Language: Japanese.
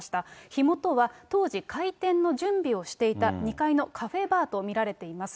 火元は当時、開店の準備をしていた２階のカフェバーと見られています。